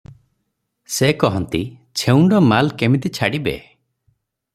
ସେ କହନ୍ତି, "ଛେଉଣ୍ଡ ମାଲ କେମିତି ଛାଡ଼ିବେ?